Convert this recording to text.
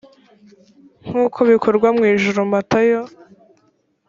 nk uko bikorwa mu ijuru matayo